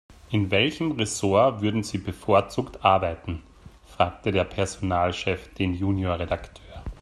In welchem Ressort würden Sie bevorzugt arbeiten?, fragte der Personalchef den Junior-Redakteur.